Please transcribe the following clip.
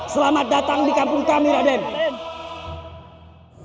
selamat datang di kampung kami raden